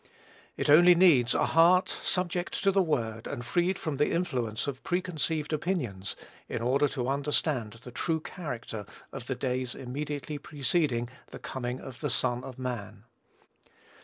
It only needs a heart subject to the Word, and freed from the influence of preconceived opinions, in order to understand the true character of the days immediately preceding "the coming of the Son of man."